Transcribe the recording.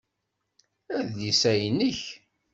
Adlis-a nnek